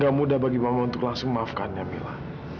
gak mudah bagi mama untuk langsung memaafkannya mila